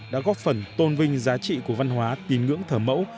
đã góp phần tôn vinh giá trị của văn hóa tín ngưỡng thờ mẫu